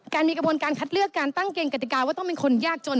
มีกระบวนการคัดเลือกการตั้งเกณฑิกาว่าต้องเป็นคนยากจน